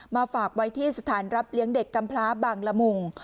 ฝากไว้ที่สถานรับเลี้ยงเด็กกำพลาบางละมุง